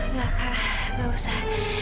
nggak kak nggak usah